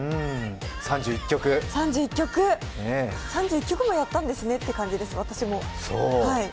３１曲３１曲もやったんですねって感じです、私も。